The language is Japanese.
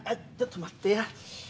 ちょっと待ってや。